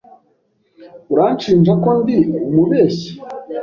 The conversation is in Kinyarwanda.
Uranshinja ko ndi umubeshyi?